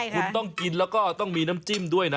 คุณต้องกินแล้วก็ต้องมีน้ำจิ้มด้วยนะ